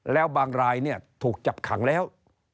แล้วบางรายเนี่ยถูกจับขังแล้ว